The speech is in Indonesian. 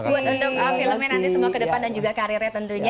untuk film ini nanti semua ke depan dan juga karirnya tentunya